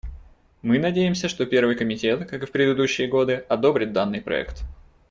Мы надеемся, что Первый комитет, как и в предыдущие годы, одобрит данный проект.